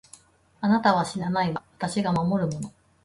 あなたは死なないわ、私が守るもの。